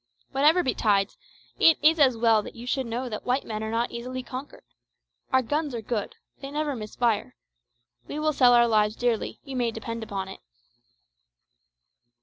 Whatever betides, it is as well that you should know that white men are not easily conquered. Our guns are good they never miss fire. We will sell our lives dearly, you may depend on it."